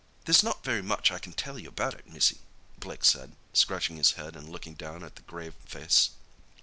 "There's not very much I can tell you about it, missy," Blake said, scratching his head and looking down at the grave lace.